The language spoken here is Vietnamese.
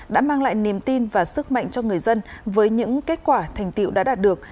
đã mang lại niềm tin và sức mạnh cho người dân với những kết quả thành tiệu đã đạt được